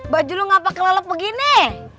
baju lu ngapa kelelep begini